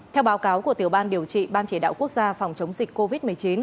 theo báo cáo của tiểu ban điều trị ban chỉ đạo quốc gia phòng chống dịch covid một mươi chín